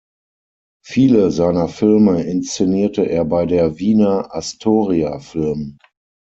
Viele seiner Filme inszenierte er bei der Wiener Astoria-Film.